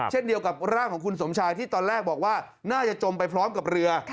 เช่นเดียวกับร่างของคุณสมชายที่ตอนแรกบอกว่าน่าจะจมไปพร้อมกับเรือ